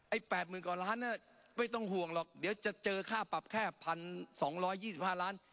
ไอ้แปดหมื่นกว่าร้านเนี่ยไม่ต้องห่วงหรอกเดี๋ยวจะเจอค่าปรับแค่พันสองร้อยยี่สิบห้าล้าน